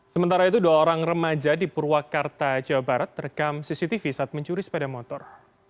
sementara itu dua orang remaja di purwakarta jawa barat terekam cctv saat mencuri sepeda motor